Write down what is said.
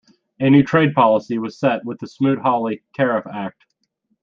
A new trade policy was set with the Smoot-Hawley Tariff Act.